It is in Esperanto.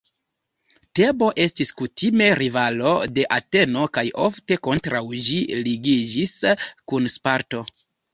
Tebo estis kutime rivalo de Ateno kaj ofte kontraŭ ĝi ligiĝis kun Sparto.